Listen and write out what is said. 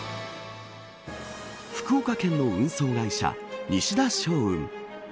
福岡県の運送会社、西田商運。